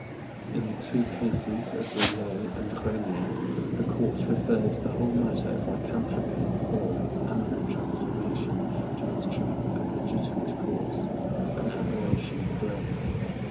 * In the two cases of Boulet and Grenier the courts referred the whole matter of Lycanthropy, or animal transformation, to its true and legitimate cause, an aberration of the brain.